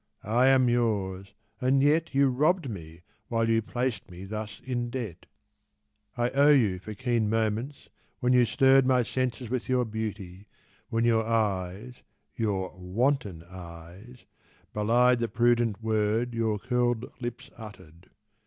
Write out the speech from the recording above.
I am yours: and yet You robbed me while you placed me thus in debt. I owe you for keen moments when you stirred My senses with your beauty, when your eyes (Your wanton eyes) belied the prudent word Your curled lips uttered.